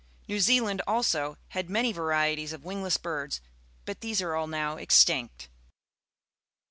New Zealand, also, had many varieties of wmgless birds, but these are all now extinct.